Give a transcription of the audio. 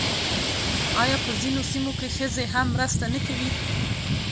آیا په ځینو سیمو کې ښځې هم مرسته نه کوي؟